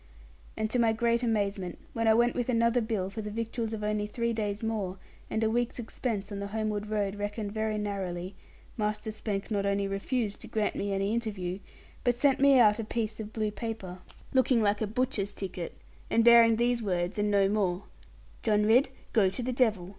And to my great amazement, when I went with another bill for the victuals of only three days more, and a week's expense on the homeward road reckoned very narrowly, Master Spank not only refused to grant me any interview, but sent me out a piece of blue paper, looking like a butcher's ticket, and bearing these words and no more, 'John Ridd, go to the devil.